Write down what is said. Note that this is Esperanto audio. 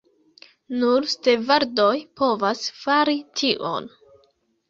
Nur stevardoj povas fari tion.